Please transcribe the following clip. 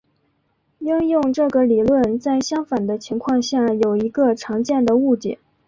应用这个理论在相反的情况下有一个常见的误解。